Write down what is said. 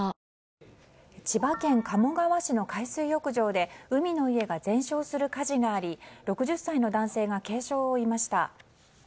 千葉県鴨川市の海水浴場で海の家が全焼する火事があり６０歳の男性が軽傷を負いました。